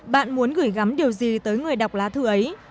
bạn muốn gửi gắm điều gì tới người đọc lá thư ấy